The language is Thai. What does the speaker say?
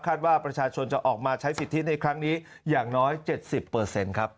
คาดว่าประชาชนจะออกมาใช้สิทธิในครั้งนี้อย่างน้อย๗๐เปอร์เซ็นต์ครับ